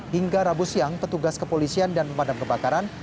hingga rabu siang petugas kepolisian dan pemadam kebakaran